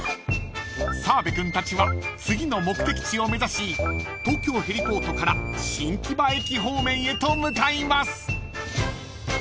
［澤部君たちは次の目的地を目指し東京ヘリポートから新木場駅方面へと向かいます］